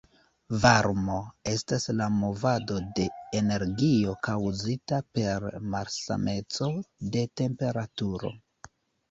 Varmo estas la movado de energio kaŭzita per malsameco de temperaturo.